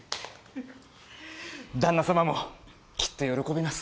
旦那様もきっと喜びます。